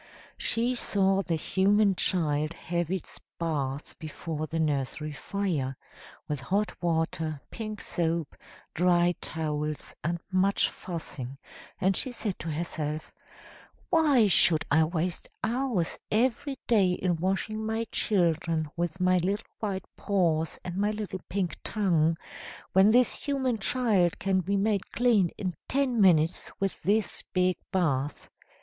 "She saw the human child have its bath before the nursery fire, with hot water, pink soap, dry towels, and much fussing, and she said to herself, 'Why should I waste hours every day in washing my children with my little white paws and my little pink tongue, when this human child can be made clean in ten minutes with this big bath.